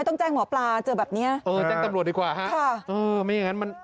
ไม่ต้องแจ้งหมอปลาเจอแบบนี้แจ้งตำรวจดีกว่าไม่อย่างนั้นมัน